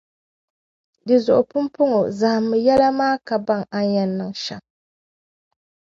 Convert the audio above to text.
Dinzuɣu pumpɔŋɔ zahimmi yɛlli maa ka baŋ a ni yɛn niŋ shɛm.